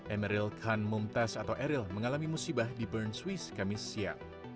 emeril khan mumtaz atau eril mengalami musibah di bern swiss kamis siang